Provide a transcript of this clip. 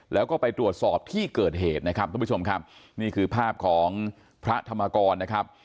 แล้วก็ไปตรวจสอบที่เกิดเหตุนะครับทุกผู้ชมครับนี่คือภาพของพระธรรมกรนะครับ